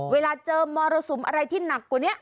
เวลาเจอมรสุมอะไรที่หนักกว่านี้